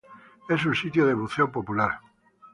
Es un sitio de buceo popular.